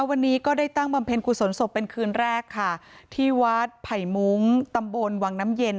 วันนี้ก็ได้ตั้งบำเพ็ญกุศลศพเป็นคืนแรกค่ะที่วัดไผ่มุ้งตำบลวังน้ำเย็น